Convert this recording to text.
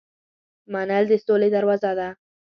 منل د سولې دروازه ده.